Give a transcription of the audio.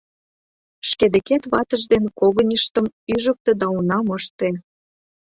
— Шке декет ватыж ден когыньыштым ӱжыктӧ да унам ыште.